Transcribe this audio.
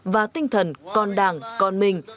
và tinh thần con đảng con mình